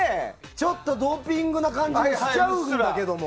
ちょっとドーピングな感じもしちゃうけども。